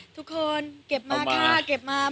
ทุกคนก็เก็บมาค่ะ